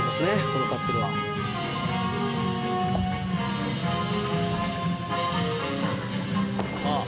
このカップルはさあ